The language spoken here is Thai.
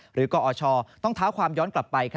กอชต้องเท้าความย้อนกลับไป